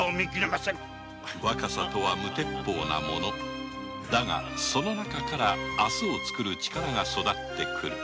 若さとは無鉄砲なものだがその中から明日をつくる力が育ってくる。